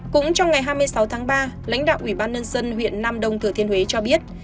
cũng trong ngày hai mươi sáu tháng ba lãnh đạo ủy ban nhân dân huyện nam đông thừa thiên huế cho biết